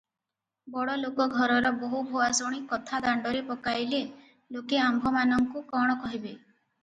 ବଡ଼ ଲୋକ ଘରର ବୋହୂ ଭୂଆସୁଣୀ କଥା ଦାଣ୍ତରେ ପକାଇଲେ ଲୋକେ ଆମ୍ଭମାନଙ୍କୁ କ'ଣ କହିବେ?